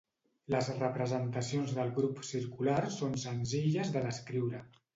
Les representacions del grup circular són senzilles de descriure.